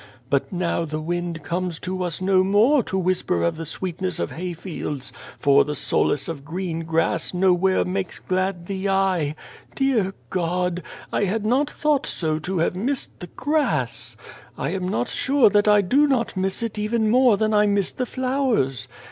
But now the wind comes to us no more to whisper of the sweetness of hayfields, for the solace of green grass nowhere makes glad the eye. Dear God ! I had not thought so to have missed the grass. I am not sure that I do not miss it even more than I miss the flowers.